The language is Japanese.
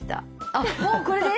あっもうこれで⁉